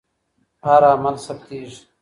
هر عمل ثبتېږي.